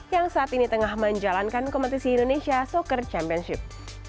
yang saat ini tengah menjalankan kompetisi indonesia soccer championship